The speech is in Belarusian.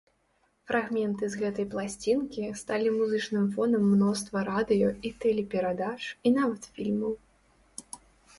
Фрагменты з гэтай пласцінкі сталі музычным фонам мноства радыё- і тэлеперадач і нават фільмаў.